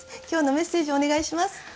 今日のメッセージをお願いします。